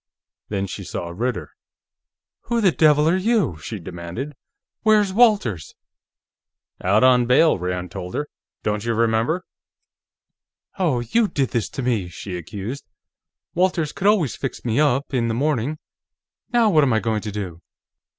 Then she saw Ritter. "Who the devil are you?" she demanded. "Where's Walters?" "Out on bail," Rand told her. "Don't you remember?" "Oh, you did this to me!" she accused. "Walters could always fix me up, in the morning. Now what am I going to do?"